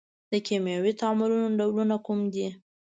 د کیمیاوي تعاملونو ډولونه کوم دي؟